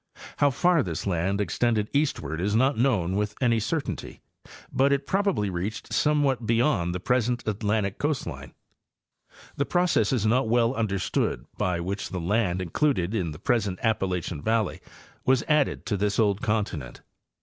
How far this land extended eastward is not known with any certainty, but it probably reached some what beyond the present Atlantic coast line. The process is not well understood by which the land included in the present Appalachian valley was added to this old continent.